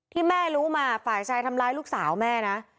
ที่แม่รู้มาฝ่ายชายทำร้ายลูกสาวแม่นะ